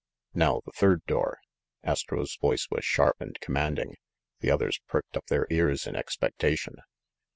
"Now, the third door!" Astro's voice was sharp and commanding. The others pricked up their ears in expectation.